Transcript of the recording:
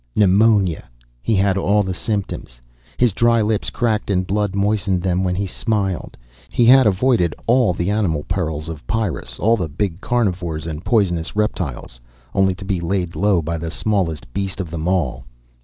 Pneumonia. He had all the symptoms. His dry lips cracked and blood moistened them when he smiled. He had avoided all the animal perils of Pyrrus, all the big carnivores and poisonous reptiles, only to be laid low by the smallest beast of them all.